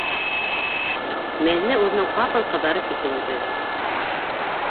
Мәҙинә үҙенең ҡапыл ҡыҙарып китеүен тойҙо: